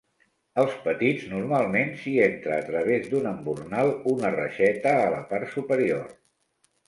Als petits normalment s'hi entra a través d'un embornal una reixeta a la part superior.